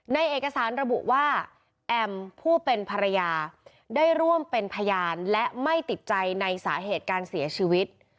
ในเอกสารระบุว่าแอมผู้เป็นภรรยาได้ร่วมเป็นพยานและไม่ติดใจในสาเหตุการเสียชีวิต